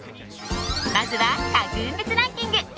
まずは各運別ランキング。